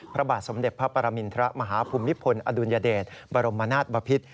พระบาทสมเด็จพระปรมินทรมาฮภูมิพลอดุลยเดชบรมนาศบพิษ